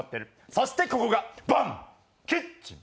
そしてここが、キッチン。